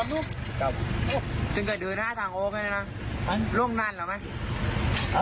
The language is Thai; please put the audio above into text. เออทั้งการเดินมาทั้งนี้แหละใกล้ไหมอี๊นะ